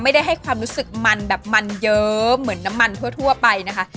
ให้ความรู้สึกมันแบบมันเยอะเหมือนน้ำมันทั่วไปนะคะ